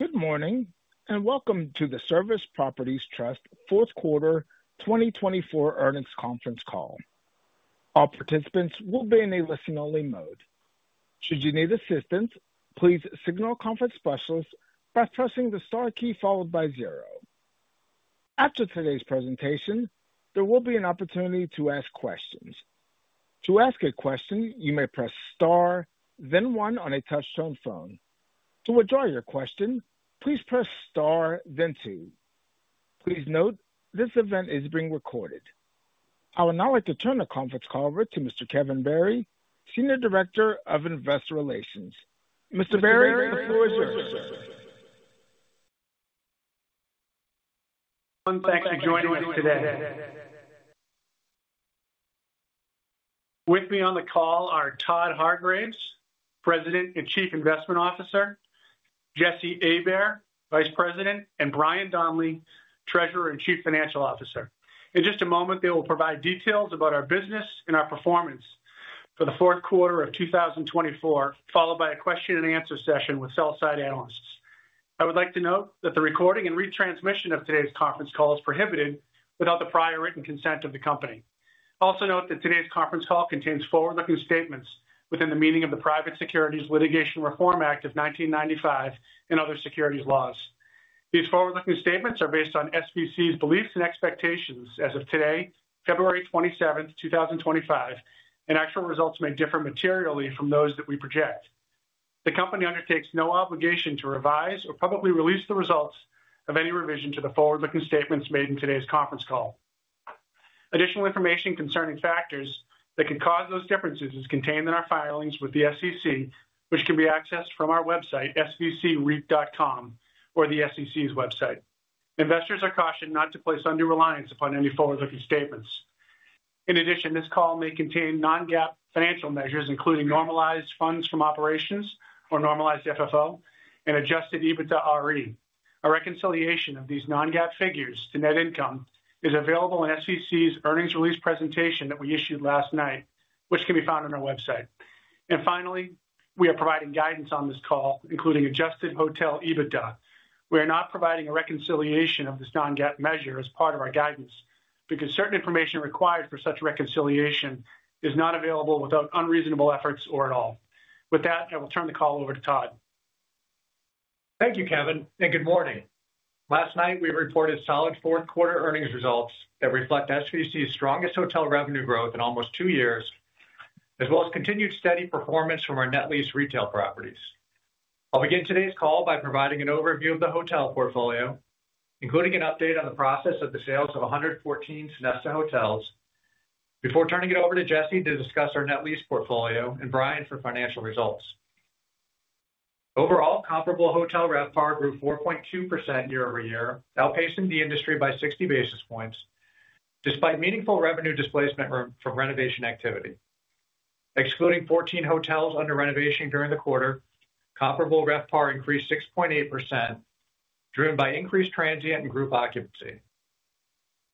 Good morning, and welcome to the Service Properties Trust Fourth Quarter 2024 Earnings Conference Call. All participants will be in a listen-only mode. Should you need assistance, please signal our conference specialist by pressing the star key followed by zero. After today's presentation, there will be an opportunity to ask questions. To ask a question, you may press star, then one on a touch-tone phone. To withdraw your question, please press star, then two. Please note this event is being recorded. I would now like to turn the conference call over to Mr. Kevin Barry, Senior Director of Investor Relations. Mr. Barry, the floor is yours. Thanks for joining us today. With me on the call are Todd Hargreaves, President and Chief Investment Officer, Jesse Abair, Vice President, and Brian Donley, Treasurer and Chief Financial Officer. In just a moment, they will provide details about our business and our performance for the fourth quarter of 2024, followed by a question-and-answer session with sell-side analysts. I would like to note that the recording and retransmission of today's conference call is prohibited without the prior written consent of the company. Also note that today's conference call contains forward-looking statements within the meaning of the Private Securities Litigation Reform Act of 1995 and other securities laws. These forward-looking statements are based on SVC's beliefs and expectations as of today, February 27, 2025, and actual results may differ materially from those that we project. The company undertakes no obligation to revise or publicly release the results of any revision to the forward-looking statements made in today's conference call. Additional information concerning factors that could cause those differences is contained in our filings with the SEC, which can be accessed from our website, svc-reit.com, or the SEC's website. Investors are cautioned not to place undue reliance upon any forward-looking statements. In addition, this call may contain non-GAAP financial measures, including normalized funds from operations or normalized FFO and Adjusted EBITDA RE. A reconciliation of these non-GAAP figures to net income is available in SVC's earnings release presentation that we issued last night, which can be found on our website. Finally, we are providing guidance on this call, including adjusted hotel EBITDA. We are not providing a reconciliation of this non-GAAP measure as part of our guidance because certain information required for such reconciliation is not available without unreasonable efforts or at all. With that, I will turn the call over to Todd. Thank you, Kevin, and good morning. Last night, we reported solid fourth-quarter earnings results that reflect SVC's strongest hotel revenue growth in almost two years, as well as continued steady performance from our net lease retail properties. I'll begin today's call by providing an overview of the hotel portfolio, including an update on the process of the sales of 114 Sonesta hotels, before turning it over to Jesse to discuss our net lease portfolio and Brian for financial results. Overall, comparable hotel RevPAR grew 4.2% year over year, outpacing the industry by 60 basis points, despite meaningful revenue displacement from renovation activity. Excluding 14 hotels under renovation during the quarter, comparable RevPAR increased 6.8%, driven by increased transient and group occupancy.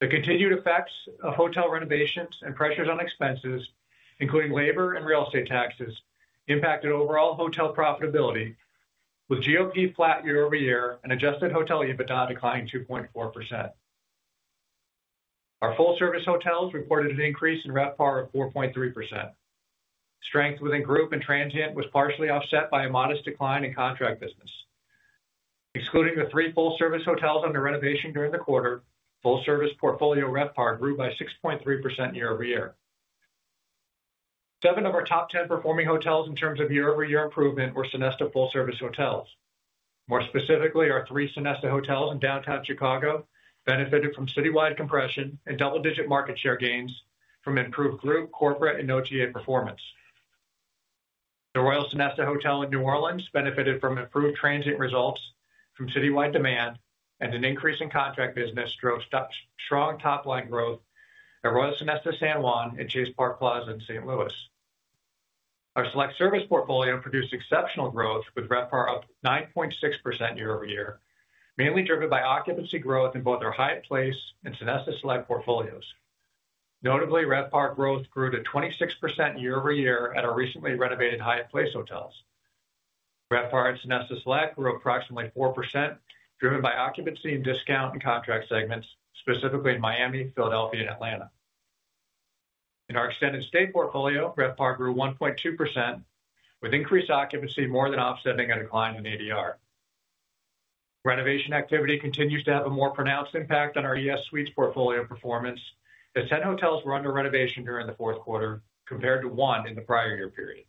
The continued effects of hotel renovations and pressures on expenses, including labor and real estate taxes, impacted overall hotel profitability, with GOP flat year over year and Adjusted Hotel EBITDA declining 2.4%. Our full-service hotels reported an increase in RevPAR of 4.3%. Strength within group and transient was partially offset by a modest decline in contract business. Excluding the three full-service hotels under renovation during the quarter, full-service portfolio RevPAR grew by 6.3% year over year. Seven of our top 10 performing hotels in terms of year-over-year improvement were Sonesta full-service hotels. More specifically, our three Sonesta hotels in downtown Chicago benefited from citywide compression and double-digit market share gains from improved group, corporate, and OTA performance. The Royal Sonesta Hotel in New Orleans benefited from improved transient results from citywide demand and an increase in contract business, drove strong top-line growth at Royal Sonesta San Juan and Chase Park Plaza in St. Louis. Our select service portfolio produced exceptional growth, with RevPAR up 9.6% year over year, mainly driven by occupancy growth in both our Hyatt Place and Sonesta Select portfolios. Notably, RevPAR growth grew to 26% year over year at our recently renovated Hyatt Place hotels. RevPAR at Sonesta Select grew approximately 4%, driven by occupancy and discount in contract segments, specifically in Miami, Philadelphia, and Atlanta. In our extended stay portfolio, RevPAR grew 1.2%, with increased occupancy more than offsetting a decline in ADR. Renovation activity continues to have a more pronounced impact on our ES Suites portfolio performance, as 10 hotels were under renovation during the fourth quarter compared to one in the prior year period.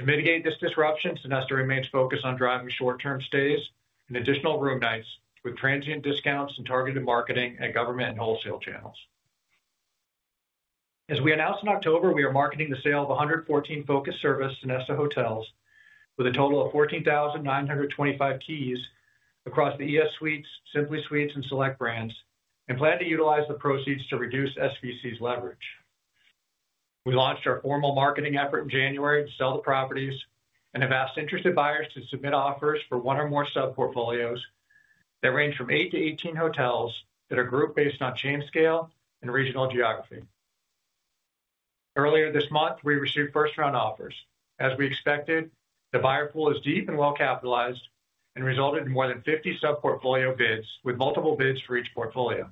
To mitigate this disruption, Sonesta remains focused on driving short-term stays and additional room nights with transient discounts and targeted marketing at government and wholesale channels. As we announced in October, we are marketing the sale of 114 focus service Sonesta hotels with a total of 14,925 keys across the ES Suites, Simply Suites, and Select brands, and plan to utilize the proceeds to reduce SVC's leverage. We launched our formal marketing effort in January to sell the properties and have asked interested buyers to submit offers for one or more sub-portfolios that range from 8 to 18 hotels that are group-based on chain scale and regional geography. Earlier this month, we received first-round offers. As we expected, the buyer pool is deep and well-capitalized and resulted in more than 50 sub-portfolio bids with multiple bids for each portfolio.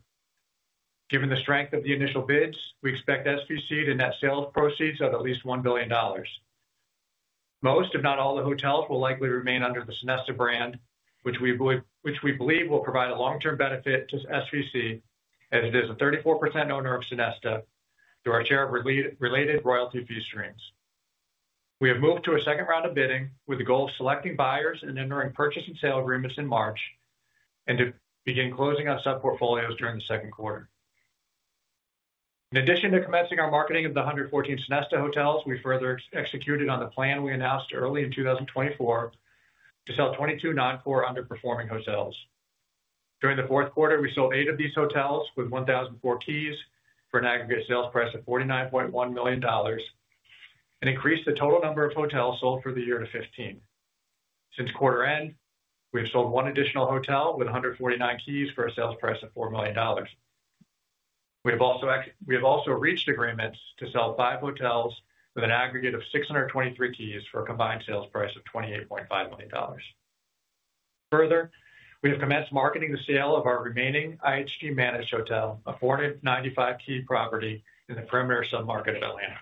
Given the strength of the initial bids, we expect SVC to net sales proceeds of at least $1 billion. Most, if not all, the hotels will likely remain under the Sonesta brand, which we believe will provide a long-term benefit to SVC, as it is a 34% owner of Sonesta through our charitable-related royalty fee streams. We have moved to a second round of bidding with the goal of selecting buyers and entering purchase and sale agreements in March and to begin closing our sub-portfolios during the second quarter. In addition to commencing our marketing of the 114 Sonesta hotels, we further executed on the plan we announced early in 2024 to sell 22 non-core underperforming hotels. During the fourth quarter, we sold eight of these hotels with 1,004 keys for an aggregate sales price of $49.1 million and increased the total number of hotels sold for the year to 15. Since quarter end, we have sold one additional hotel with 149 keys for a sales price of $4 million. We have also reached agreements to sell five hotels with an aggregate of 623 keys for a combined sales price of $28.5 million. Further, we have commenced marketing the sale of our remaining IHG-managed hotel, a 495-key property in the Perimeter sub-market of Atlanta.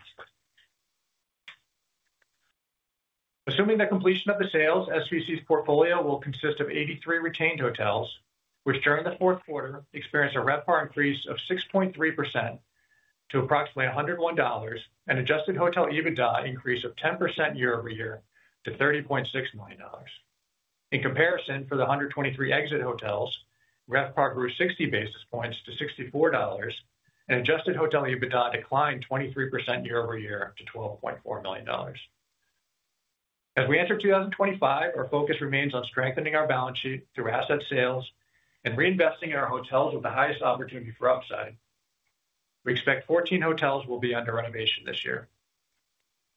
Assuming the completion of the sales, SVC's portfolio will consist of 83 retained hotels, which during the fourth quarter experienced a RevPAR increase of 6.3% to approximately $101 and Adjusted Hotel EBITDA increase of 10% year over year to $30.6 million. In comparison, for the 123 exit hotels, RevPAR grew 60 basis points to $64, and Adjusted Hotel EBITDA declined 23% year over year to $12.4 million. As we enter 2025, our focus remains on strengthening our balance sheet through asset sales and reinvesting in our hotels with the highest opportunity for upside. We expect 14 hotels will be under renovation this year.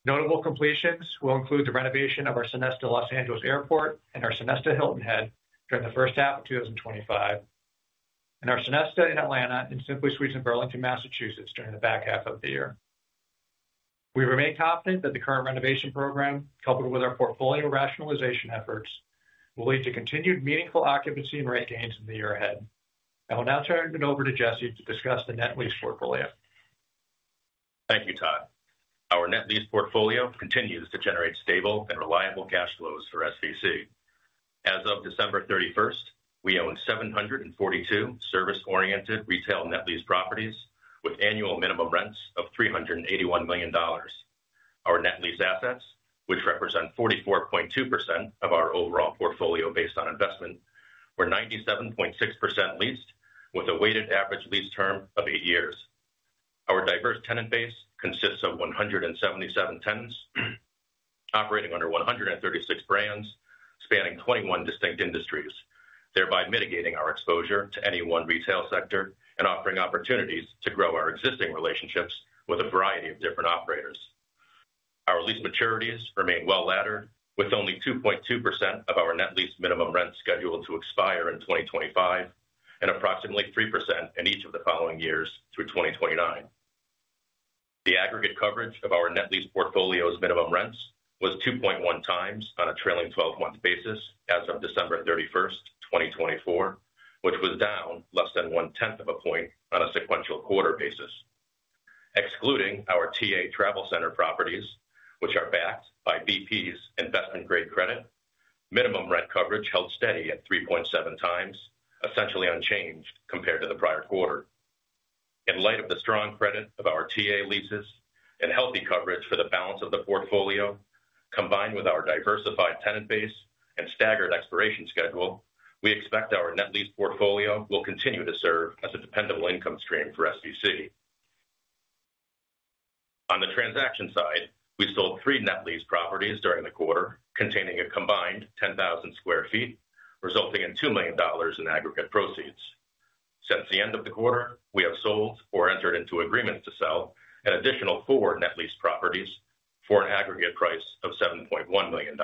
Notable completions will include the renovation of our Sonesta Los Angeles Airport and our Sonesta Hilton Head during the first half of 2025, and our Sonesta in Atlanta and Simply Suites in Burlington, Massachusetts, during the back half of the year. We remain confident that the current renovation program, coupled with our portfolio rationalization efforts, will lead to continued meaningful occupancy and rate gains in the year ahead. I will now turn it over to Jesse to discuss the net lease portfolio. Thank you, Todd. Our net lease portfolio continues to generate stable and reliable cash flows for SVC. As of December 31, we own 742 service-oriented retail net lease properties with annual minimum rents of $381 million. Our net lease assets, which represent 44.2% of our overall portfolio based on investment, were 97.6% leased, with a weighted average lease term of eight years. Our diverse tenant base consists of 177 tenants operating under 136 brands spanning 21 distinct industries, thereby mitigating our exposure to any one retail sector and offering opportunities to grow our existing relationships with a variety of different operators. Our lease maturities remain well laddered, with only 2.2% of our net lease minimum rents scheduled to expire in 2025 and approximately 3% in each of the following years through 2029. The aggregate coverage of our net lease portfolio's minimum rents was 2.1 times on a trailing 12-month basis as of December 31, 2024, which was down less than one-tenth of a point on a sequential quarter basis. Excluding our TA TravelCenters properties, which are backed by BP's investment-grade credit, minimum rent coverage held steady at 3.7 times, essentially unchanged compared to the prior quarter. In light of the strong credit of our TA leases and healthy coverage for the balance of the portfolio, combined with our diversified tenant base and staggered expiration schedule, we expect our net lease portfolio will continue to serve as a dependable income stream for SVC. On the transaction side, we sold three net lease properties during the quarter, containing a combined 10,000 sq ft, resulting in $2 million in aggregate proceeds. Since the end of the quarter, we have sold or entered into agreements to sell an additional four net lease properties for an aggregate price of $7.1 million.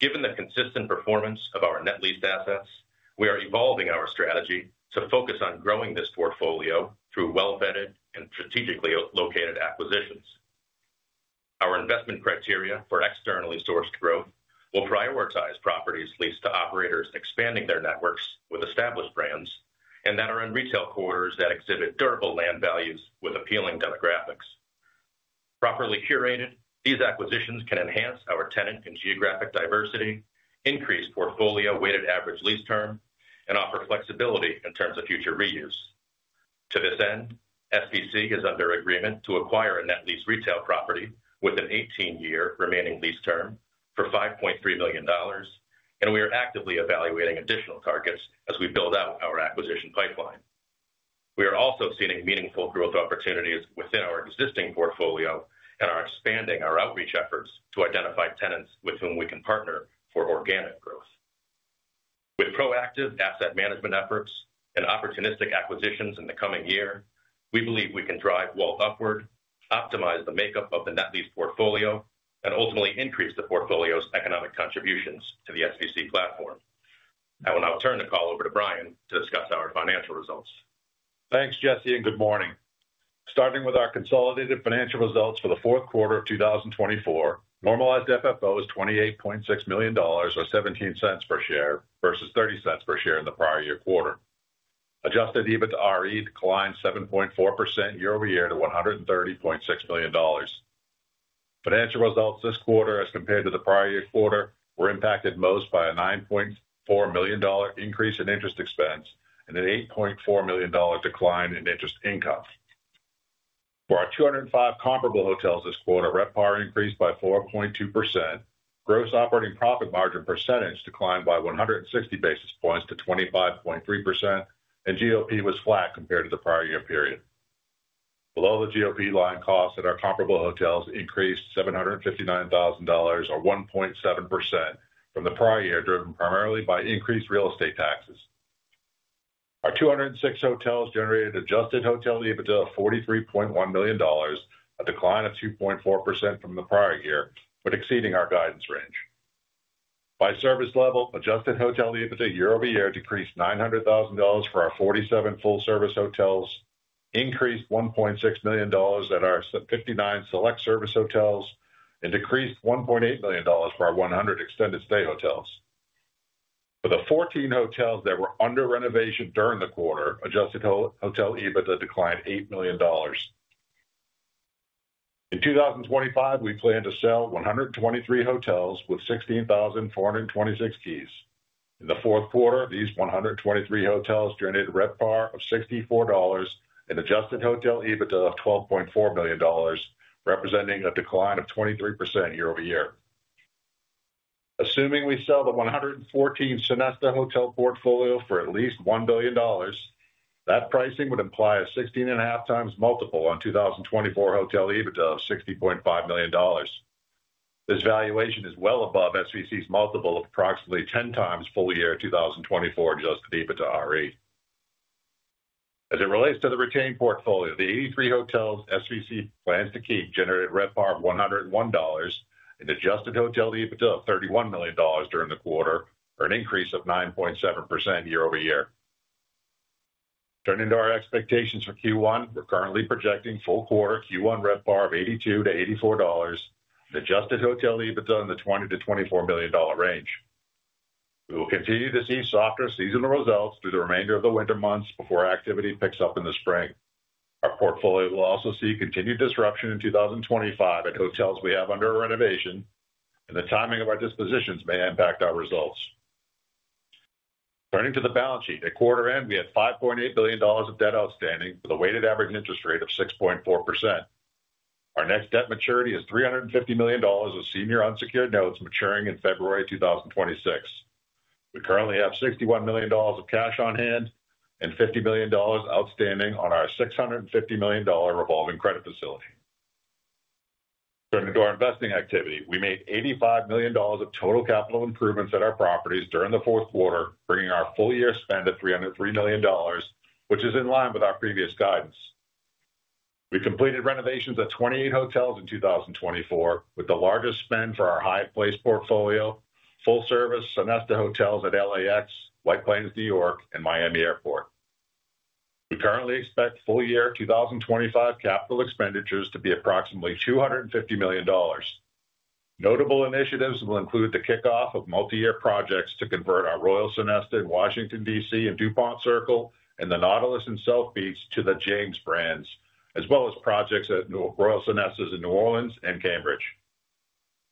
Given the consistent performance of our net leased assets, we are evolving our strategy to focus on growing this portfolio through well-vetted and strategically located acquisitions. Our investment criteria for externally sourced growth will prioritize properties leased to operators expanding their networks with established brands and that are in retail quarters that exhibit durable land values with appealing demographics. Properly curated, these acquisitions can enhance our tenant and geographic diversity, increase portfolio weighted average lease term, and offer flexibility in terms of future reuse. To this end, SVC is under agreement to acquire a net lease retail property with an 18-year remaining lease term for $5.3 million, and we are actively evaluating additional targets as we build out our acquisition pipeline. We are also seeing meaningful growth opportunities within our existing portfolio and are expanding our outreach efforts to identify tenants with whom we can partner for organic growth. With proactive asset management efforts and opportunistic acquisitions in the coming year, we believe we can drive WALT upward, optimize the makeup of the net lease portfolio, and ultimately increase the portfolio's economic contributions to the SVC platform. I will now turn the call over to Brian to discuss our financial results. Thanks, Jesse, and good morning. Starting with our consolidated financial results for the fourth quarter of 2024, normalized FFO is $28.6 million or $0.17 per share versus $0.30 per share in the prior year quarter. Adjusted EBITDA declined 7.4% year over year to $130.6 million. Financial results this quarter, as compared to the prior year quarter, were impacted most by a $9.4 million increase in interest expense and an $8.4 million decline in interest income. For our 205 comparable hotels this quarter, RevPAR increased by 4.2%. Gross operating profit margin percentage declined by 160 basis points to 25.3%, and GOP was flat compared to the prior year period. Below the GOP line costs, our comparable hotels increased $759,000 or 1.7% from the prior year, driven primarily by increased real estate taxes. Our 206 hotels generated Adjusted Hotel EBITDA of $43.1 million, a decline of 2.4% from the prior year, but exceeding our guidance range. By service level, Adjusted Hotel EBITDA year over year decreased $900,000 for our 47 full-service hotels, increased $1.6 million at our 59 select service hotels, and decreased $1.8 million for our 100 extended stay hotels. For the 14 hotels that were under renovation during the quarter, Adjusted Hotel EBITDA declined $8 million. In 2025, we plan to sell 123 hotels with 16,426 keys. In the fourth quarter, these 123 hotels generated RevPAR of $64 and Adjusted Hotel EBITDA of $12.4 million, representing a decline of 23% year over year. Assuming we sell the 114 Sonesta hotel portfolio for at least $1 billion, that pricing would imply a 16.5 times multiple on 2024 hotel EBITDA of $60.5 million. This valuation is well above SVC's multiple of approximately 10 times full year 2024 Adjusted EBITDA RE. As it relates to the retained portfolio, the 83 hotels SVC plans to keep generated RevPAR of $101 and Adjusted Hotel EBITDA of $31 million during the quarter, or an increase of 9.7% year over year. Turning to our expectations for Q1, we're currently projecting full quarter Q1 RevPAR of $82-$84 and Adjusted Hotel EBITDA in the $20-$24 million range. We will continue to see softer seasonal results through the remainder of the winter months before activity picks up in the spring. Our portfolio will also see continued disruption in 2025 at hotels we have under renovation, and the timing of our dispositions may impact our results. Turning to the balance sheet, at quarter end, we had $5.8 billion of debt outstanding with a weighted average interest rate of 6.4%. Our next debt maturity is $350 million of senior unsecured notes maturing in February 2026. We currently have $61 million of cash on hand and $50 million outstanding on our $650 million revolving credit facility. Turning to our investing activity, we made $85 million of total capital improvements at our properties during the fourth quarter, bringing our full year spend to $303 million, which is in line with our previous guidance. We completed renovations at 28 hotels in 2024, with the largest spend for our Hyatt Place portfolio, full-service Sonesta hotels at LAX, White Plains, New York, and Miami Airport. We currently expect full year 2025 capital expenditures to be approximately $250 million. Notable initiatives will include the kickoff of multi-year projects to convert our Royal Sonesta in Washington, D.C. at Dupont Circle and the Nautilus in South Beach to The James brands, as well as projects at Royal Sonestas in New Orleans and Cambridge.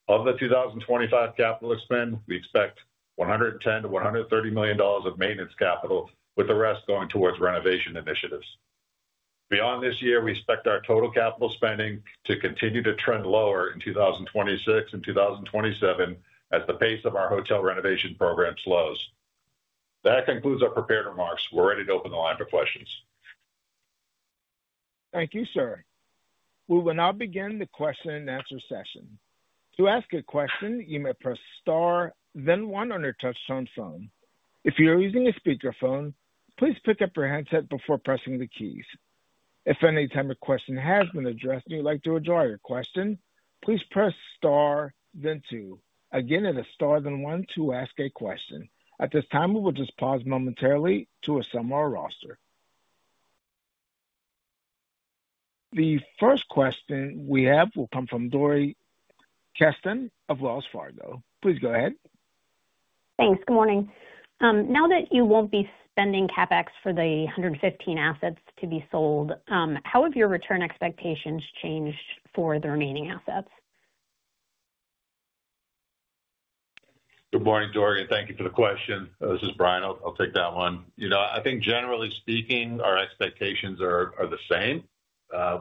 Of the 2025 capital expenditure, we expect $110-$130 million of maintenance capital, with the rest going towards renovation initiatives. Beyond this year, we expect our total capital spending to continue to trend lower in 2026 and 2027 as the pace of our hotel renovation program slows. That concludes our prepared remarks. We're ready to open the line for questions. Thank you, sir. We will now begin the question and answer session. To ask a question, you may press Star, then one on your touch-tone phone. If you're using a speakerphone, please pick up your headset before pressing the keys. If at any time your question has been addressed and you'd like to withdraw your question, please press Star, then two. Again, it is Star, then one to ask a question. At this time, we will just pause momentarily to assemble our roster. The first question we have will come from Dori Kesten of Wells Fargo. Please go ahead. Thanks. Good morning. Now that you won't be spending CapEx for the 115 assets to be sold, how have your return expectations changed for the remaining assets? Good morning, Dori. And thank you for the question. This is Brian. I'll take that one. You know, I think generally speaking, our expectations are the same.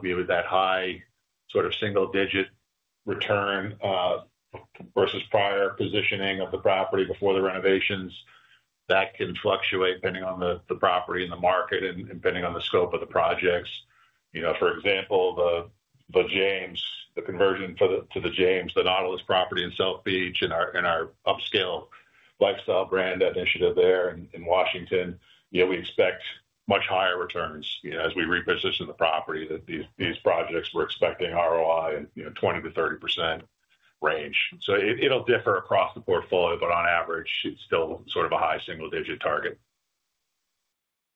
We have that high sort of single-digit return versus prior positioning of the property before the renovations. That can fluctuate depending on the property and the market and depending on the scope of the projects. You know, for example, the James, the conversion to the James, the Nautilus property in South Beach and our upscale lifestyle brand initiative there in Washington, you know, we expect much higher returns as we reposition the property. These projects we're expecting ROI in 20%-30% range. So it'll differ across the portfolio, but on average, it's still sort of a high single-digit target.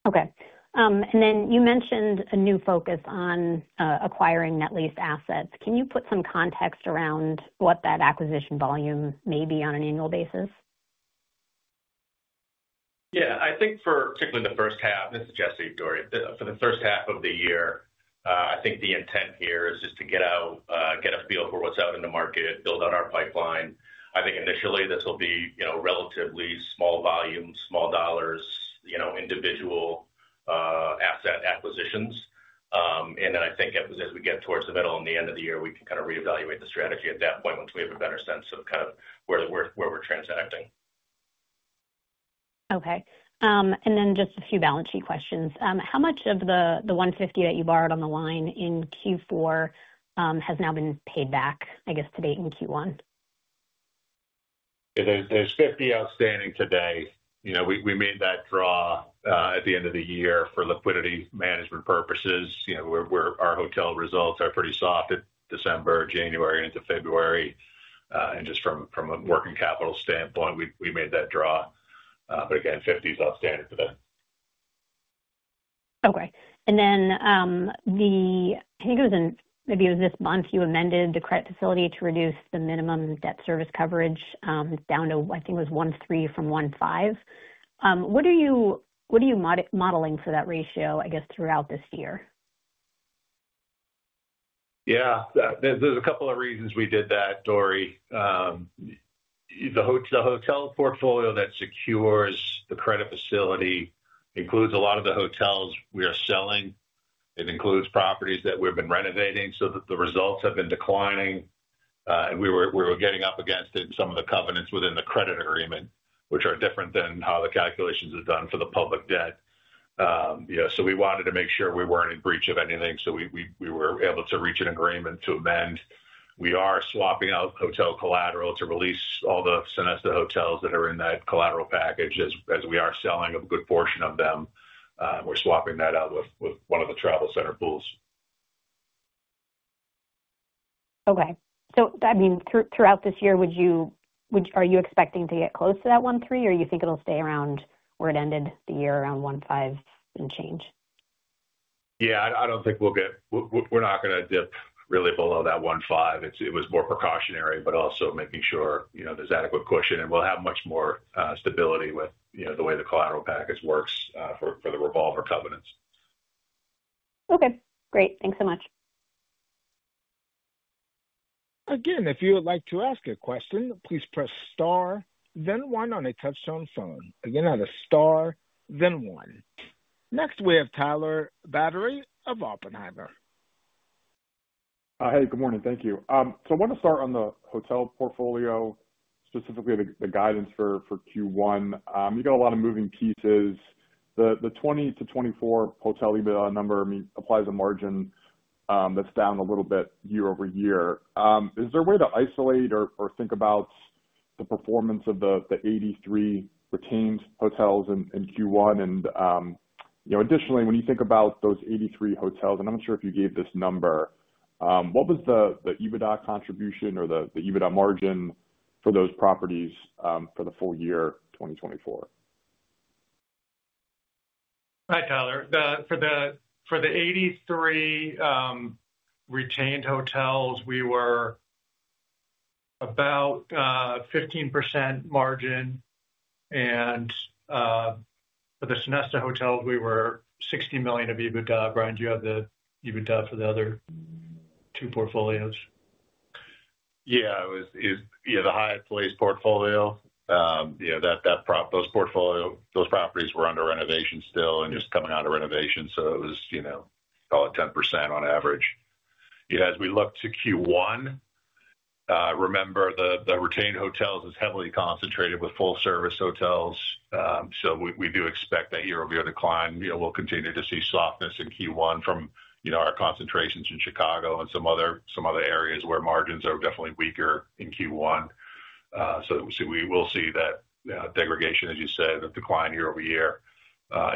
Okay, and then you mentioned a new focus on acquiring net lease assets. Can you put some context around what that acquisition volume may be on an annual basis? Yeah. I think for particularly the first half, this is Jesse, Dori, for the first half of the year, I think the intent here is just to get out, get a feel for what's out in the market, build out our pipeline. I think initially this will be, you know, relatively small volume, small dollars, you know, individual asset acquisitions, and then I think as we get towards the middle and the end of the year, we can kind of reevaluate the strategy at that point once we have a better sense of kind of where we're transacting. Okay. And then just a few balance sheet questions. How much of the $150 that you borrowed on the line in Q4 has now been paid back, I guess, to date in Q1? There's 50 outstanding today. You know, we made that draw at the end of the year for liquidity management purposes. You know, our hotel results are pretty soft at December, January, and into February. And just from a working capital standpoint, we made that draw. But again, 50 is outstanding today. Okay, and then, I think it was in, maybe it was this month, you amended the credit facility to reduce the minimum debt service coverage down to, I think it was 1.3 from 1.5. What are you modeling for that ratio, I guess, throughout this year? Yeah. There's a couple of reasons we did that, Dori. The hotel portfolio that secures the credit facility includes a lot of the hotels we are selling. It includes properties that we've been renovating so that the results have been declining. And we were getting up against it in some of the covenants within the credit agreement, which are different than how the calculations are done for the public debt. You know, so we wanted to make sure we weren't in breach of anything. So we were able to reach an agreement to amend. We are swapping out hotel collateral to release all the Sonesta hotels that are in that collateral package as we are selling a good portion of them. We're swapping that out with one of the travel center pools. Okay. So, I mean, throughout this year, would you, are you expecting to get close to that 1.3, or do you think it'll stay around where it ended the year around 1.5 and change? Yeah, I don't think we'll get. We're not going to dip really below that 1.5. It was more precautionary, but also making sure, you know, there's adequate cushion and we'll have much more stability with, you know, the way the collateral package works for the revolver covenants. Okay. Great. Thanks so much. Again, if you would like to ask a question, please press star, then one on a touch-tone phone. Again, at a star, then one. Next, we have Tyler Batory of Oppenheimer. Hey, good morning. Thank you. So I want to start on the hotel portfolio, specifically the guidance for Q1. You got a lot of moving pieces. The 2020 to 2024 hotel EBITDA number applies a margin that's down a little bit year over year. Is there a way to isolate or think about the performance of the 83 retained hotels in Q1? And, you know, additionally, when you think about those 83 hotels, and I'm not sure if you gave this number, what was the EBITDA contribution or the EBITDA margin for those properties for the full year 2024? Hi, Tyler. For the 83 retained hotels, we were about 15% margin, and for the Sonesta hotels, we were $60 million of EBITDA. Brian, do you have the EBITDA for the other two portfolios? Yeah, it was, yeah, the Hyatt Place portfolio. You know, that portfolio, those properties were under renovation still and just coming out of renovation. So it was, you know, call it 10% on average. You know, as we look to Q1, remember the retained hotels is heavily concentrated with full-service hotels. So we do expect that year over year decline. You know, we'll continue to see softness in Q1 from, you know, our concentrations in Chicago and some other areas where margins are definitely weaker in Q1. So we will see that, you know, degradation, as you said, that decline year over year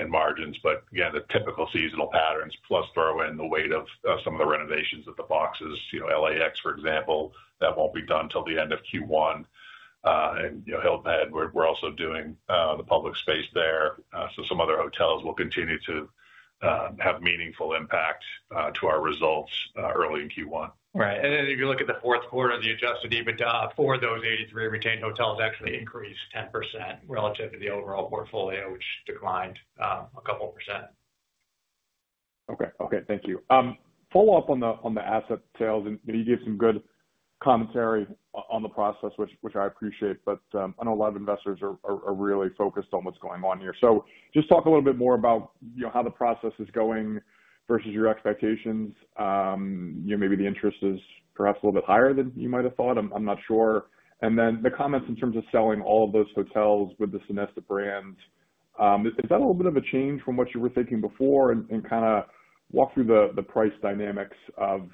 in margins. Again, the typical seasonal patterns plus throw in the weight of some of the renovations at the boxes, you know, LAX, for example, that won't be done until the end of Q1. And, you know, Hilton Head, we're also doing the public space there. So some other hotels will continue to have meaningful impact to our results early in Q1. Right. And then, if you look at the fourth quarter, the Adjusted EBITDA for those 83 retained hotels actually increased 10% relative to the overall portfolio, which declined a couple%. Okay. Okay. Thank you. Follow up on the asset sales. And you gave some good commentary on the process, which I appreciate, but I know a lot of investors are really focused on what's going on here. So just talk a little bit more about, you know, how the process is going versus your expectations. You know, maybe the interest is perhaps a little bit higher than you might have thought. I'm not sure. And then the comments in terms of selling all of those hotels with the Sonesta brands, is that a little bit of a change from what you were thinking before and kind of walk through the price dynamics of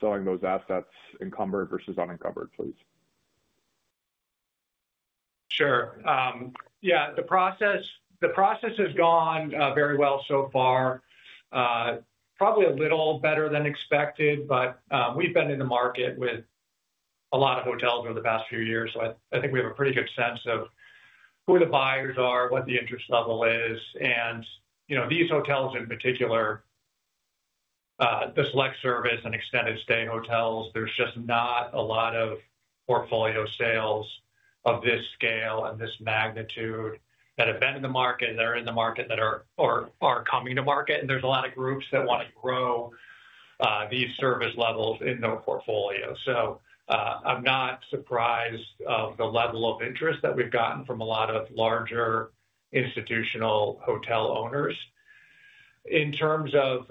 selling those assets encumbered versus unencumbered, please? Sure. Yeah. The process has gone very well so far, probably a little better than expected, but we've been in the market with a lot of hotels over the past few years. So I think we have a pretty good sense of who the buyers are, what the interest level is. And, you know, these hotels in particular, the select service and extended stay hotels, there's just not a lot of portfolio sales of this scale and this magnitude that have been in the market, that are in the market, that are coming to market. And there's a lot of groups that want to grow these service levels in their portfolio. So I'm not surprised of the level of interest that we've gotten from a lot of larger institutional hotel owners. In terms of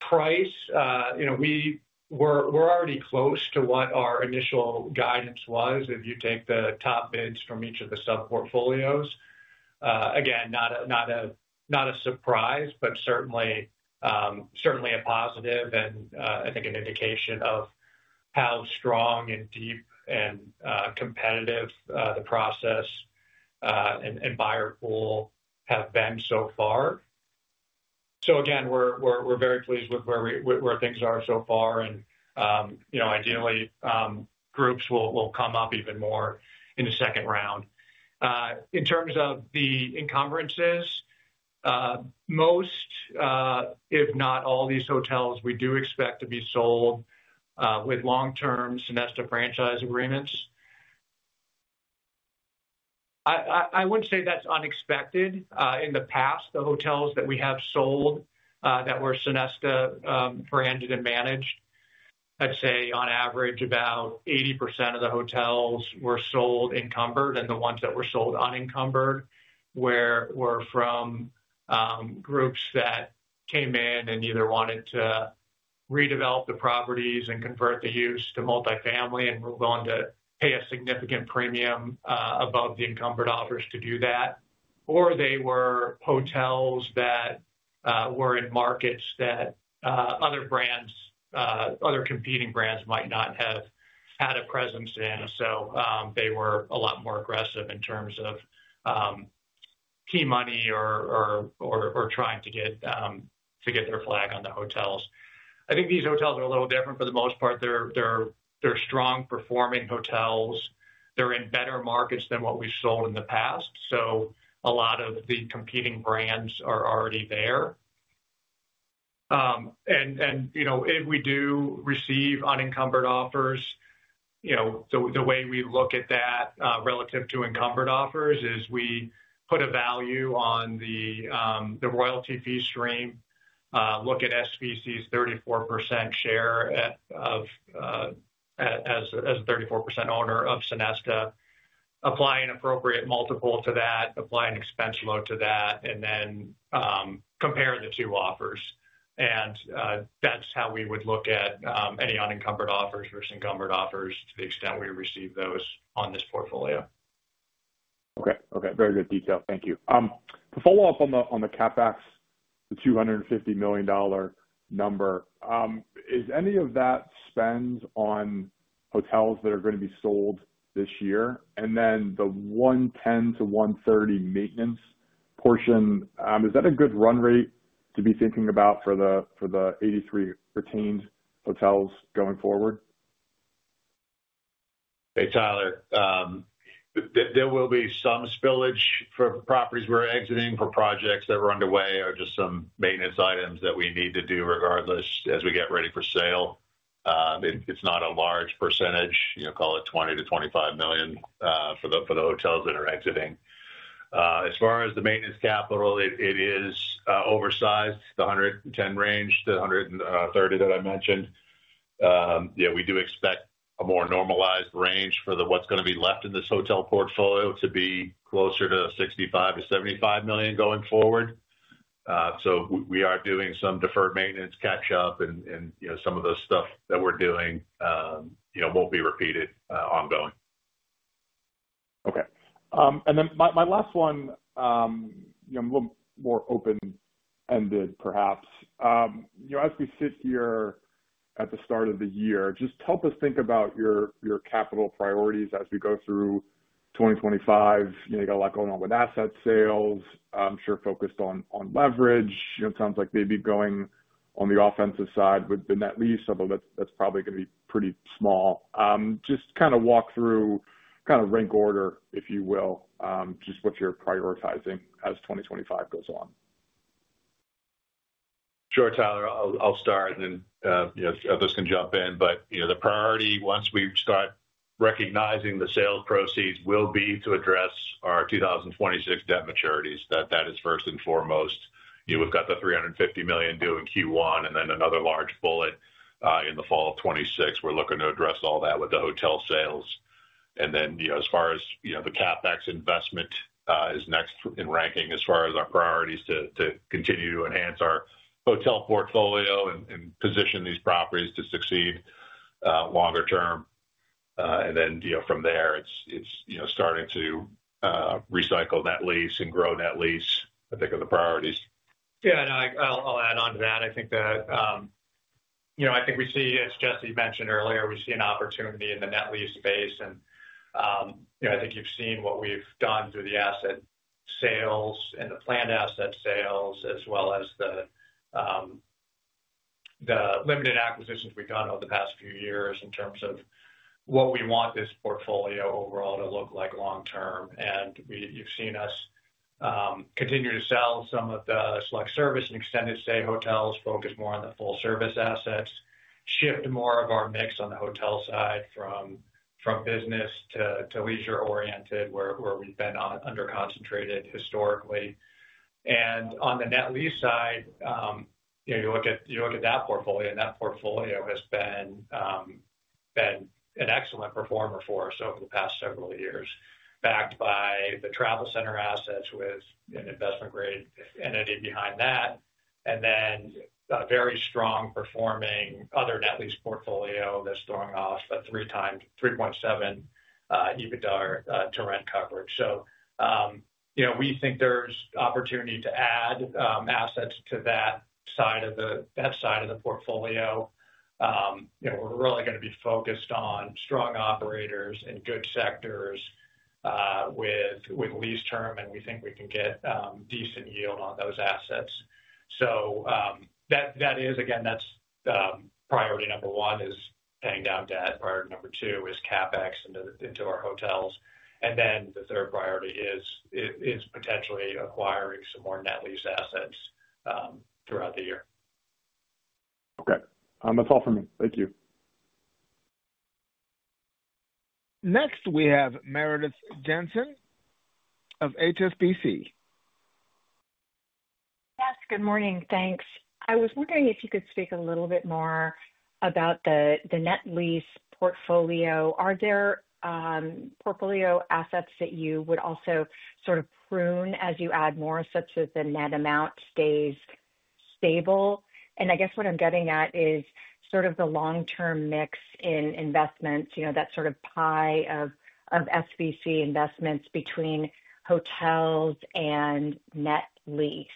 price, you know, we're already close to what our initial guidance was. If you take the top bids from each of the sub portfolios, again, not a surprise, but certainly a positive and I think an indication of how strong and deep and competitive the process and buyer pool have been so far. So again, we're very pleased with where things are so far, and you know, ideally, groups will come up even more in the second round. In terms of the encumbrances, most, if not all these hotels, we do expect to be sold with long-term Sonesta franchise agreements. I wouldn't say that's unexpected. In the past, the hotels that we have sold that were Sonesta branded and managed, I'd say on average about 80% of the hotels were sold encumbered, and the ones that were sold unencumbered were from groups that came in and either wanted to redevelop the properties and convert the use to multifamily and move on to pay a significant premium above the encumbered offers to do that. Or they were hotels that were in markets that other brands, other competing brands might not have had a presence in. So they were a lot more aggressive in terms of key money or trying to get their flag on the hotels. I think these hotels are a little different. For the most part, they're strong performing hotels. They're in better markets than what we've sold in the past. So a lot of the competing brands are already there. You know, if we do receive unencumbered offers, you know, the way we look at that relative to encumbered offers is we put a value on the royalty fee stream, look at SVC's 34% share as a 34% owner of Sonesta, apply an appropriate multiple to that, apply an expense load to that, and then compare the two offers. That's how we would look at any unencumbered offers versus encumbered offers to the extent we receive those on this portfolio. Okay. Okay. Very good detail. Thank you. To follow up on the CapEx, the $250 million number, is any of that spend on hotels that are going to be sold this year? And then the $110-$130 million maintenance portion, is that a good run rate to be thinking about for the 83 retained hotels going forward? Hey, Tyler. There will be some spillage for properties we're exiting for projects that are underway or just some maintenance items that we need to do regardless as we get ready for sale. It's not a large percentage, you know, call it $20-$25 million for the hotels that are exiting. As far as the maintenance capital, it is oversized, the $110 million range, the $130 million that I mentioned. Yeah, we do expect a more normalized range for what's going to be left in this hotel portfolio to be closer to $65-$75 million going forward. So we are doing some deferred maintenance catch-up and, you know, some of the stuff that we're doing, you know, won't be repeated ongoing. Okay. And then my last one, you know, a little more open-ended perhaps. You know, as we sit here at the start of the year, just help us think about your capital priorities as we go through 2025. You know, you got a lot going on with asset sales. I'm sure focused on leverage. You know, it sounds like maybe going on the offensive side with the net lease, although that's probably going to be pretty small. Just kind of walk through kind of rank order, if you will, just what you're prioritizing as 2025 goes on. Sure, Tyler. I'll start and then, you know, others can jump in. But, you know, the priority once we start recognizing the sales proceeds will be to address our 2026 debt maturities. That is first and foremost. You know, we've got the $350 million due in Q1 and then another large bullet in the fall of 2026. We're looking to address all that with the hotel sales. And then, you know, as far as, you know, the CapEx investment is next in ranking as far as our priorities to continue to enhance our hotel portfolio and position these properties to succeed longer term. And then, you know, from there, it's, you know, starting to recycle net lease and grow net lease. I think of the priorities. Yeah, no, I'll add on to that. I think that, you know, I think we see, as Jesse mentioned earlier, we see an opportunity in the net lease space. You know, I think you've seen what we've done through the asset sales and the planned asset sales, as well as the limited acquisitions we've done over the past few years in terms of what we want this portfolio overall to look like long term. You've seen us continue to sell some of the select service and extended stay hotels, focus more on the full-service assets, shift more of our mix on the hotel side from business to leisure oriented where we've been under concentrated historically. On the net lease side, you know, you look at that portfolio and that portfolio has been an excellent performer for us over the past several years, backed by the travel center assets with an investment-grade entity behind that. And then a very strong performing other net lease portfolio that's throwing off a 3.7 EBITDA to rent coverage. So, you know, we think there's opportunity to add assets to that side of the portfolio. You know, we're really going to be focused on strong operators in good sectors with lease term and we think we can get decent yield on those assets. So that is, again, that's priority number one is paying down debt. Priority number two is CapEx into our hotels. And then the third priority is potentially acquiring some more net lease assets throughout the year. Okay. That's all from me. Thank you. Next, we have Meredith Jensen of HSBC. Yes, good morning. Thanks. I was wondering if you could speak a little bit more about the net lease portfolio. Are there portfolio assets that you would also sort of prune as you add more such that the net amount stays stable? And I guess what I'm getting at is sort of the long-term mix in investments, you know, that sort of pie of SVC investments between hotels and net lease.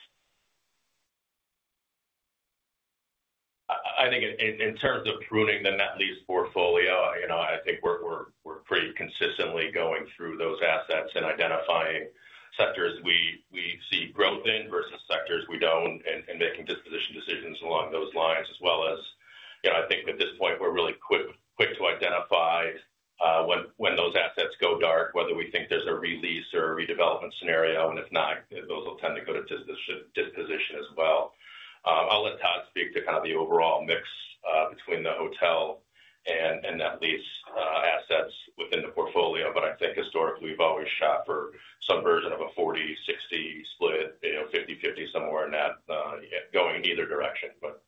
I think in terms of pruning the net lease portfolio, you know, I think we're pretty consistently going through those assets and identifying sectors we see growth in versus sectors we don't and making disposition decisions along those lines as well as, you know, I think at this point we're really quick to identify when those assets go dark, whether we think there's a re-lease or a redevelopment scenario. And if not, those will tend to go to disposition as well. I'll let Todd speak to kind of the overall mix between the hotel and net lease assets within the portfolio. But I think historically we've always shot for some version of a 40-60 split, you know, 50-50 somewhere in that going either direction. But.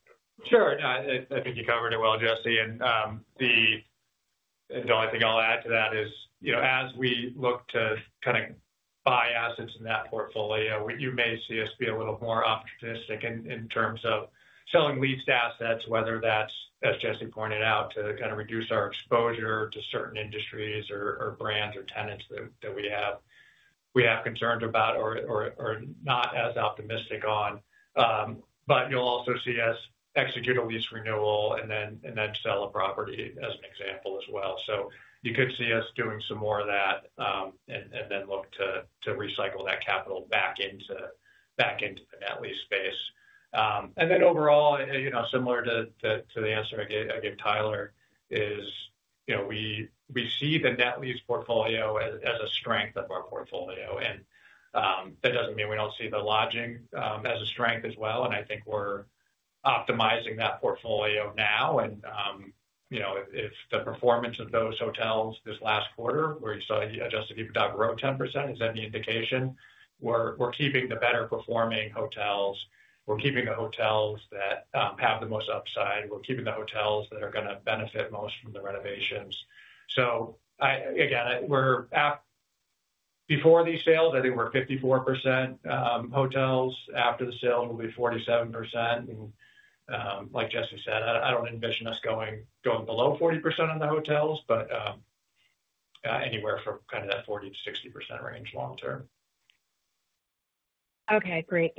Sure. I think you covered it well, Jesse, and the only thing I'll add to that is, you know, as we look to kind of buy assets in that portfolio, you may see us be a little more opportunistic in terms of selling leased assets, whether that's, as Jesse pointed out, to kind of reduce our exposure to certain industries or brands or tenants that we have concerns about or not as optimistic on, but you'll also see us execute a lease renewal and then sell a property as an example as well, so you could see us doing some more of that and then look to recycle that capital back into the net lease space, and then overall, you know, similar to the answer I gave Tyler, is, you know, we see the net lease portfolio as a strength of our portfolio. And that doesn't mean we don't see the lodging as a strength as well. And I think we're optimizing that portfolio now. And, you know, if the performance of those hotels this last quarter, where you saw Jesse give you RevPAR 10%, is that the indication? We're keeping the better performing hotels. We're keeping the hotels that have the most upside. We're keeping the hotels that are going to benefit most from the renovations. So again, before these sales, I think we're 54% hotels. After the sales, we'll be 47%. And like Jesse said, I don't envision us going below 40% on the hotels, but anywhere from kind of that 40%-60% range long term. Okay, great.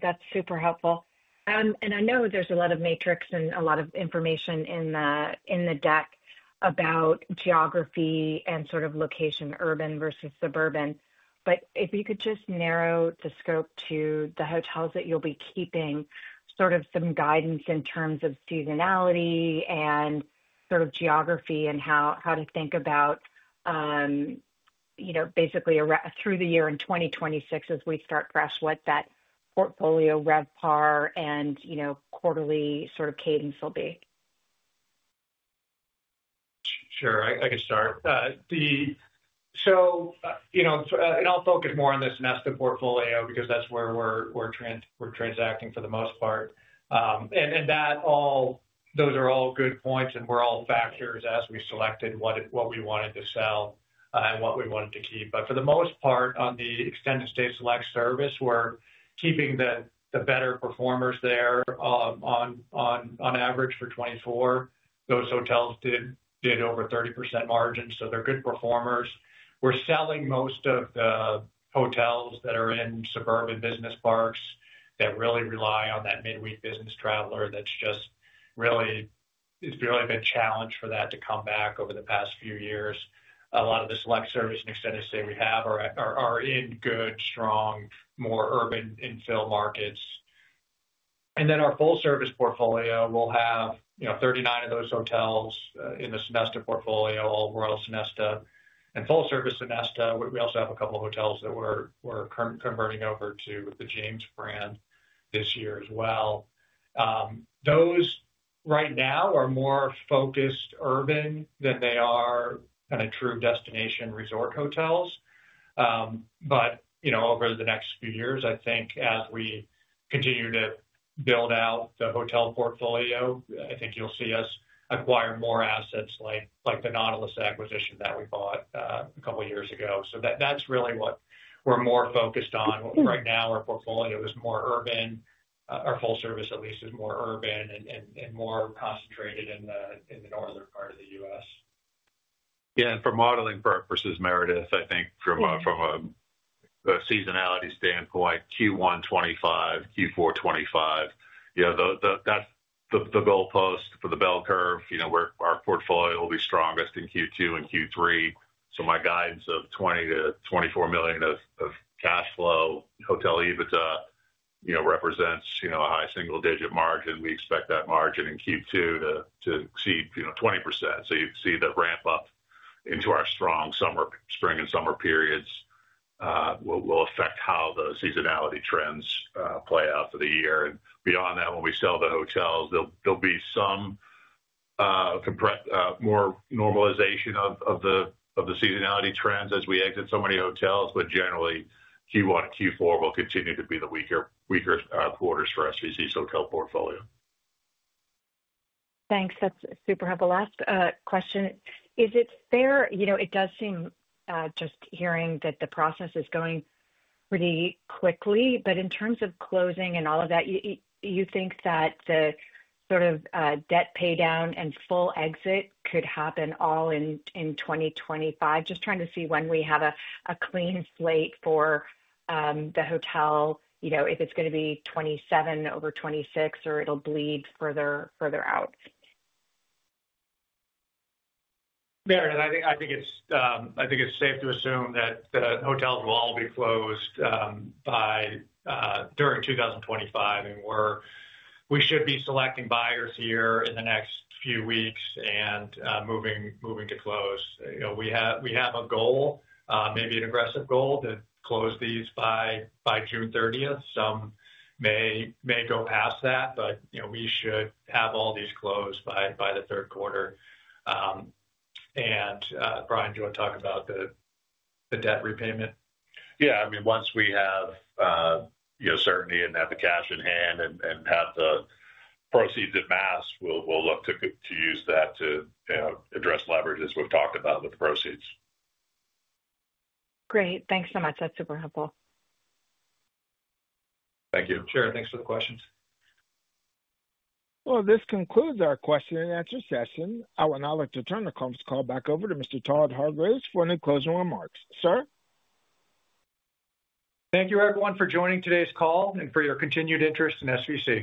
That's super helpful. And I know there's a lot of metrics and a lot of information in the deck about geography and sort of location, urban versus suburban. But if you could just narrow the scope to the hotels that you'll be keeping, sort of some guidance in terms of seasonality and sort of geography and how to think about, you know, basically through the year in 2026 as we start fresh, what that portfolio RevPAR and, you know, quarterly sort of cadence will be. Sure. I can start. So you know, and I'll focus more on the Sonesta portfolio because that's where we're transacting for the most part. And those are all good points and were all factors as we selected what we wanted to sell and what we wanted to keep. But for the most part, on the extended stay select service, we're keeping the better performers there on average for 2024. Those hotels did over 30% margin, so they're good performers. We're selling most of the hotels that are in suburban business parks that really rely on that midweek business traveler that's just really been a challenge for that to come back over the past few years. A lot of the select service and extended stay we have are in good, strong, more urban infill markets. Then our full-service portfolio, we'll have, you know, 39 of those hotels in the Sonesta portfolio, all Royal Sonesta. Full-service Sonesta, we also have a couple of hotels that we're converting over to the James brand this year as well. Those right now are more focused urban than they are kind of true destination resort hotels, but you know, over the next few years, I think as we continue to build out the hotel portfolio, I think you'll see us acquire more assets like the Nautilus acquisition that we bought a couple of years ago, so that's really what we're more focused on. Right now, our portfolio is more urban. Our full-service at least is more urban and more concentrated in the northern part of the U.S. Yeah, and for modeling purposes, Meredith, I think from a seasonality standpoint, Q1 2025, Q4 2025, you know, that's the goal post for the bell curve. You know, our portfolio will be strongest in Q2 and Q3. So my guidance of $20 million-$24 million of cash flow hotel EBITDA, you know, represents, you know, a high single-digit margin. We expect that margin in Q2 to exceed, you know, 20%. So you see the ramp up into our strong spring and summer periods will affect how the seasonality trends play out for the year. And beyond that, when we sell the hotels, there'll be some more normalization of the seasonality trends as we exit so many hotels. But generally, Q1 and Q4 will continue to be the weaker quarters for SVC's hotel portfolio. Thanks. That's super helpful. Last question. Is it fair? You know, it does seem, just hearing that the process is going pretty quickly, but in terms of closing and all of that, you think that the sort of debt paydown and full exit could happen all in 2025? Just trying to see when we have a clean slate for the hotel, you know, if it's going to be 2027 over 2026 or it'll bleed further out. Yeah. I think it's safe to assume that the hotels will all be closed by the end of 2025. We should be selecting buyers here in the next few weeks and moving to close. You know, we have a goal, maybe an aggressive goal to close these by June 30th. Some may go past that, but, you know, we should have all these closed by the third quarter. Brian, do you want to talk about the debt repayment? Yeah. I mean, once we have, you know, certainty and have the cash in hand and have the proceeds amassed, we'll look to use that to address leverage as we've talked about with the proceeds. Great. Thanks so much. That's super helpful. Thank you. Sure. Thanks for the questions. Well, this concludes our question and answer session. I would now like to turn the conference call back over to Mr. Todd Hargreaves for any closing remarks. Sir? Thank you, everyone, for joining today's call and for your continued interest in SVC.